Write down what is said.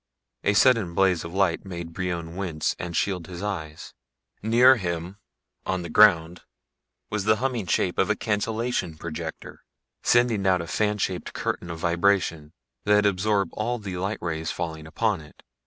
A sudden blaze of light made Brion wince and shield his eyes. Near him, on the ground, was the humming shape of a cancellation projector, sending out a fan shaped curtain of vibration that absorbed all the light rays falling upon it.